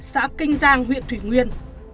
xã kinh giang huyện thủy nguyên